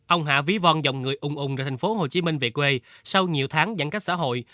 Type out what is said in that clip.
ông hạ ví vòn dòng người ung ung ra thành phố hồ chí minh về quê sau nhiều tháng giãn cách xã hội